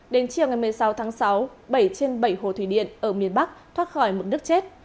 đến chiều ngày một mươi sáu tháng sáu bảy trên bảy hồ thủy điện ở miền bắc thoát khỏi mực nước chết